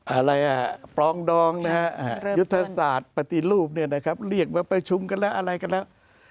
อะไรอ่ะปลองดองนะฮะยุทธศาสตร์ปฏิรูปเนี่ยนะครับเรียกมาประชุมกันแล้วอะไรกันแล้ว